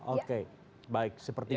oke baik sepertinya